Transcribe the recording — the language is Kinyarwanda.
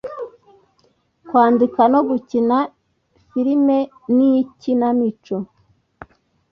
kwandika no gukina filime n’ikinamico